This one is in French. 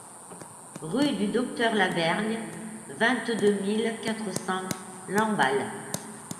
Rue du Docteur Lavergne, vingt-deux mille quatre cents Lamballe